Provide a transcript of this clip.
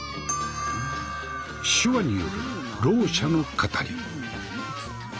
「手話」によるろう者の語り。